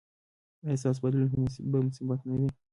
ایا ستاسو بدلون به مثبت نه وي؟